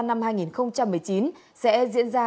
năm hai nghìn một mươi chín sẽ diễn ra